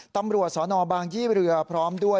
ตำรวจสนบางยี่เรือพร้อมด้วย